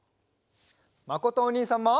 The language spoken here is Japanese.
まことおにいさんも。